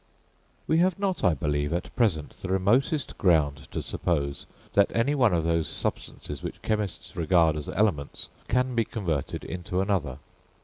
We have not, I believe, at present the remotest ground to suppose that any one of those substances which chemists regard as elements can be converted into another.